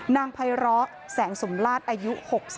นางภัยร้อแสงสุมราชอายุ๖๓